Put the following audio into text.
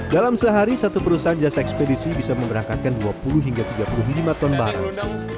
dalam sehari satu perusahaan jasa ekspedisi bisa memberangkakan dua puluh hingga tiga puluh lima ton barang